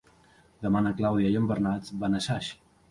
Demà na Clàudia i en Bernat van a Saix.